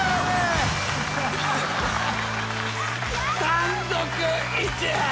単独１位。